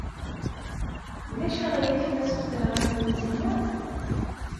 Ulac aɣilif ma ssutreɣ-ak lemzeyya?